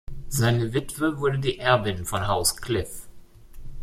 Seine Witwe wurde die Erbin von Haus Kliff.